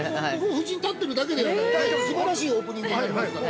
◆夫人、立っているだけですばらしいオープニングになりますから。